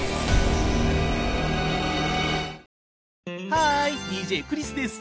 ハーイＤＪクリスです！